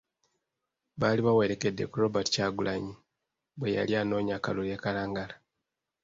Baali bawerekedde ku Robert Kyagulanyi bwe yali anoonya akalulu e Kalangala.